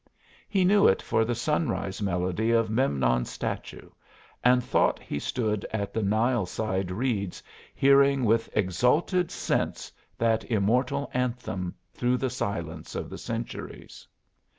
He knew it for the sunrise melody of Memnon's statue, and thought he stood in the Nileside reeds hearing with exalted sense that immortal anthem through the silence of the centuries.